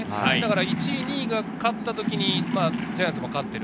１位、２位が勝ったときにジャイアンツも勝っている。